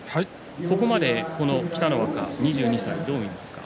ここまで北の若、２２歳どう見ますか。